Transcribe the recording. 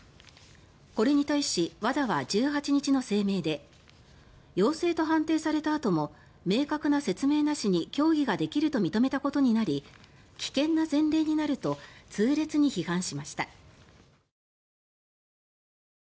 これに対しＷＡＤＡは１８日の声明で陽性と判定されたあとも明確な説明なしに競技ができると認めたことになり危険な前例になると痛烈に批判しました。